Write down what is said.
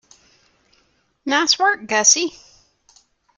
Nice work, Gussie.